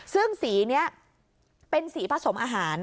ซึ่งสีนี้เป็นสีผสมอาหาร